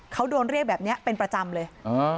เขาโดนเรียกแบบนี้เป็นประจำเลย